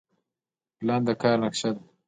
پلان د کار نقشه ده